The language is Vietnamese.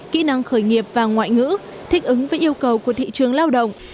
kỹ năng khởi nghiệp và ngoại ngữ thích ứng với yêu cầu của thị trường lao động